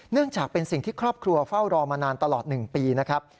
จากเป็นสิ่งที่ครอบครัวเฝ้ารอมานานตลอด๑ปีนะครับ